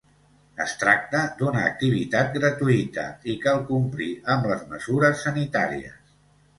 Es tracta d’una activitat gratuïta i cal complir amb les mesures sanitàries.